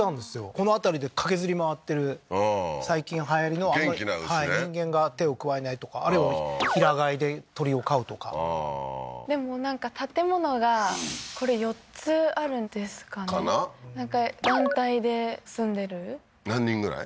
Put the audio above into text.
この辺りで駆けずり回ってる最近はやりの元気な牛ねはい人間が手を加えないとかあるいは平飼いで鶏を飼うとかああーでもなんか建物がこれ４つあるんですかねなんか団体で住んでる何人ぐらい？